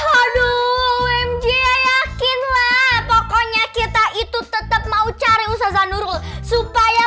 aduh wmj yakin lah pokoknya kita itu tetep mau cari usah nurul supaya